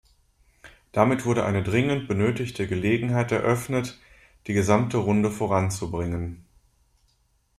Damit wurde eine dringend benötigte Gelegenheit eröffnet, die gesamte Runde voranzubringen.